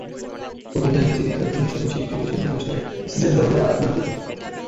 ফতুল্লায় BCB একাদশের হয়ে সেদিন সেঞ্চুরি করেছিলেন বাংলাদেশের ব্যাটসম্যান আবদুল মজিদ।